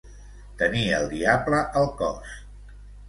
Tenir el diable al cos.